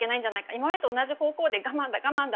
今までと同じ方向で我慢だ、我慢だ